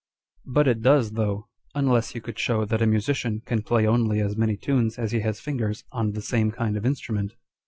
2 But it does though, unless you could show that a musician can play only as many tunes as he has fingers, on the same kind of instrument.